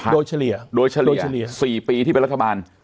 โดยเฉลี่ย๔ปีที่เป็นรัฐบาล